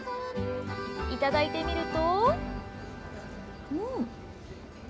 いただいてみると。